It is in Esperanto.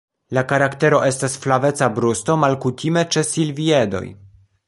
La karaktero estas flaveca brusto malkutime ĉe silviedoj.